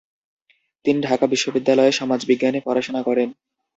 তিনি ঢাকা বিশ্ববিদ্যালয়ে সমাজবিজ্ঞানে পড়াশোনা করেন।